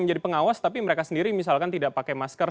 menjadi pengawas tapi mereka sendiri misalkan tidak pakai masker